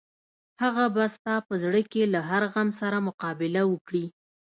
هغه به ستا په زړه کې له هر غم سره مقابله وکړي.